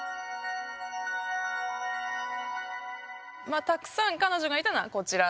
まあたくさん彼女がいたのはこちら。